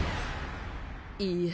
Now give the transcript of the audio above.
いいえ